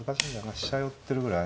飛車寄ってるぐらい？